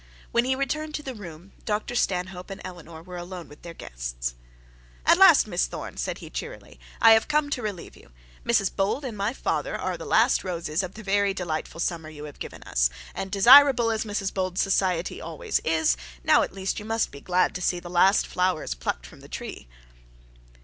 When he returned to the room, Dr Stanhope and Eleanor were alone with their hosts. 'At last, Miss Thorne,' said he cheerily, 'I have come to relieve you. Mrs Bold and my father are the last roses in the very delightful summer you have given us, and desirable as Mrs Bold's society always is, now at least you must be glad to see the last flowers plucked from the tree.'